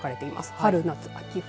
春、夏、秋、冬。